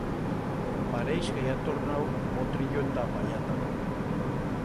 Pareix que ya ha tornau o trillo enta a pallata.